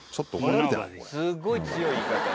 「すごい強い言い方よ」